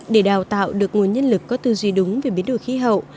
để đào tạo được nguồn nhân lực có tư duy đúng về biến đổi khí hậu